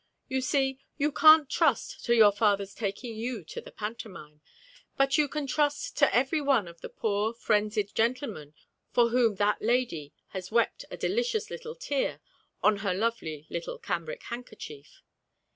You see you can't trust to your father's taking you to the pantomime, but you can trust to every one of the poor frenzied gentlemen for whom that lady has wept a delicious little tear on her lovely little cambric handkerchief.